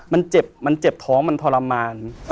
มันเจ็บมันเจ็บท้องมันทรมาน